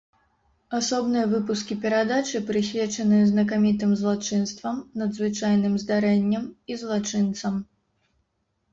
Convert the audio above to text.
Асобныя выпускі перадачы прысвечаныя знакамітым злачынствам, надзвычайным здарэнням і злачынцам.